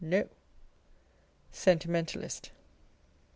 No. Sentimentalist.